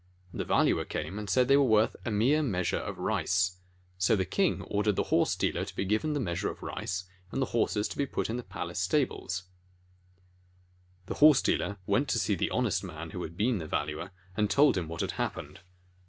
The Valuer came and said they were worth a mere measure of rice. So the king ordered the horse dealer to be given the measure of rice, and the horses to be put in the palace stables. 35 JATAKA TALES The horse dealer went then to see the honest man who had been the Valuer, and told him what had hap pened.